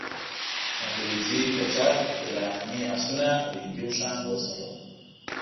انګریزي کچر، ایراني آسونه او هندي اوښان وځغلول.